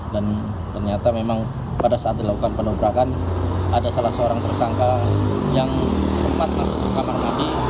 dan ternyata memang pada saat dilakukan penobrakan ada salah seorang tersangka yang sempat masuk ke kamar mati